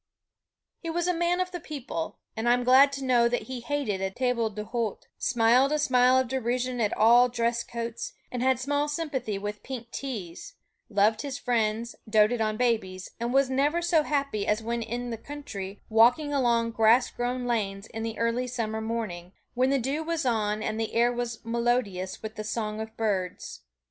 He was a man of the people, and I am glad to know that he hated a table d'hote, smiled a smile of derision at all dress coats, had small sympathy with pink teas, loved his friends, doted on babies, and was never so happy as when in the country walking along grass grown lanes in the early summer morning, when the dew was on and the air was melodious with the song of birds.